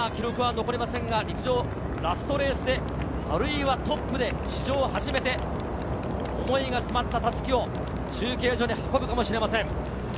さぁ記録は残りませんが、陸上ラストレースであるいはトップで史上初めて、思いが詰まった襷を中継所に運ぶかもしれません。